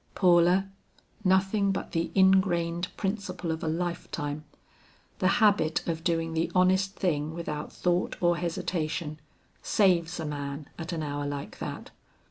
"Paula, nothing but the ingrained principle of a lifetime, the habit of doing the honest thing without thought or hesitation, saves a man at an hour like that.